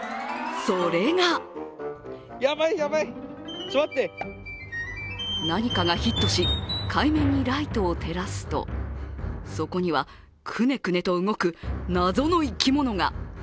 それが何かがヒットし海面にライトを照らすとそこには、くねくねと動くなぞの生き物が。